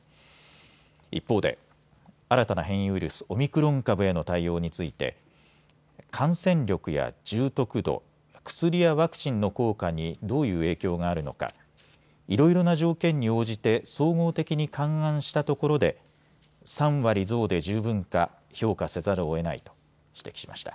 一方で新たな変異ウイルス、オミクロン株への対応について感染力や重篤度、薬やワクチンの効果にどういう影響があるのか、いろいろな条件に応じて総合的に勘案したところで３割増で十分か評価せざるをえないと指摘しました。